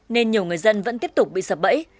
nên nhiều người dân vẫn tiếp tục bị sập bẫy